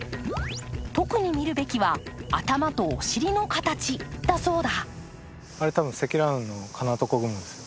特に見るべきは、頭とお尻の形だそうだ。